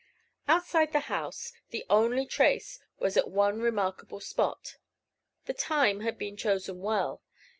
Outside the house, the only trace was at one remarkable spot. The time had been chosen well.